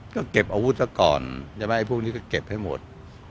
ก็เก็บอาวุธซะก่อนใช่ไหมพวกนี้ก็เก็บให้หมด